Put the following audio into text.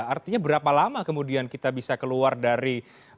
artinya berapa lama kemudian kita bisa keluar dari